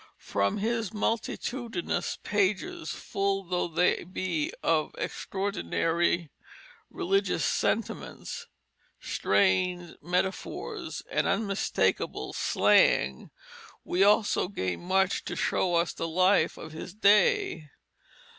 From his multitudinous pages full though they be of extraordinary religious sentiments, strained metaphors, and unmistakable slang we also gain much to show us the life of his day.